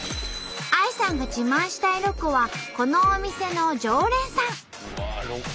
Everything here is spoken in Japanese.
ＡＩさんが自慢したいロコはこのお店の常連さん！